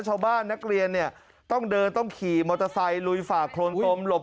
ชาวบ้านนักเรียนเนี่ยต้องเดินต้องขี่มอเตอร์ไซค์ลุยฝ่าโครนกลมหลบ